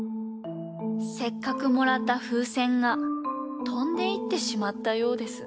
せっかくもらったふうせんがとんでいってしまったようです。